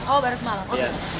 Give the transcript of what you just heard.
oh baru semalam